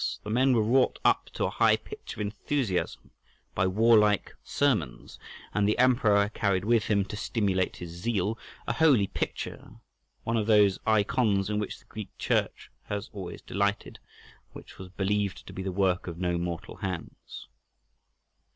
The men were wrought up to a high pitch of enthusiasm by warlike sermons, and the Emperor carried with him, to stimulate his zeal, a holy picture—one of those eikons in which the Greek Church has always delighted—which was believed to be the work of no mortal hands.